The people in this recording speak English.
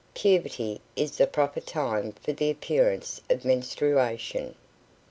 Puberty is the proper time for the appearance of menstruation.